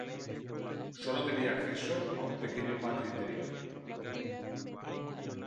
Solo tenía acceso a un pequeño patio interior.